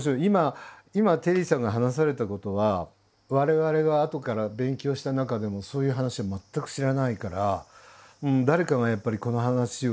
今テリーさんが話されたことは我々があとから勉強した中でもそういう話は全く知らないから誰かがやっぱりこの話を。